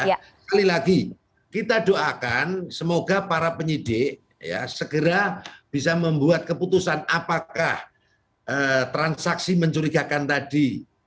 sekali lagi kita doakan semoga para penyidik segera bisa membuat keputusan apakah transaksi mencurigakan tadi